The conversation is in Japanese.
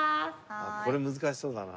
これ難しそうだな。